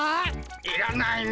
いらないね。